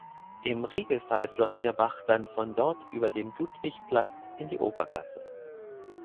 Im Regelfall floss der Bach dann von dort über den Ludwigsplatz in die Obergasse.